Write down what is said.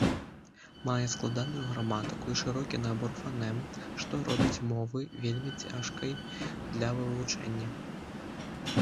Мае складаную граматыку і шырокі набор фанем, што робіць мовы вельмі цяжкай для вывучэння.